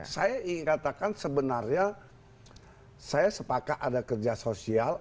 saya ingin katakan sebenarnya saya sepakat ada kerja sosial